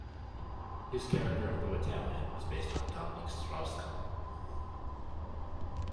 His character, although Italian, was based on Dominique Strauss-Kahn.